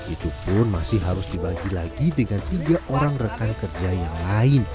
itu pun masih harus dibagi lagi dengan tiga orang rekan kerja yang lain